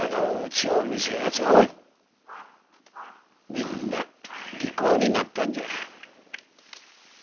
みんな利口になったんじゃ。